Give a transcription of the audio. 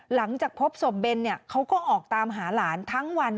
หลังจากพบศพเบนเขาก็ออกตามหาหลานทั้งวัน